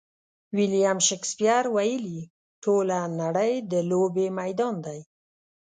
ویلیم شکسپیر ویلي: ټوله نړۍ د لوبې میدان دی.